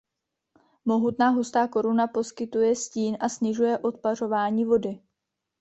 Mohutná hustá koruna poskytuje stín a snižuje odpařování vody.